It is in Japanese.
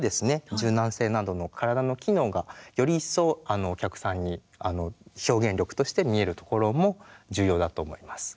柔軟性などの体の機能がより一層お客さんに表現力として見えるところも重要だと思います。